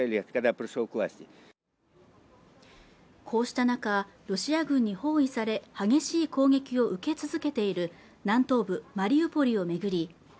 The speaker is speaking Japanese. こうした中ロシア軍に包囲され激しい攻撃を受け続けている南東部マリウポリを巡り